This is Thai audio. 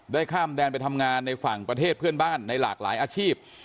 ข้ามแดนไปทำงานในฝั่งประเทศเพื่อนบ้านในหลากหลายอาชีพ